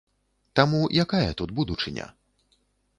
Таму якая тут будучыня?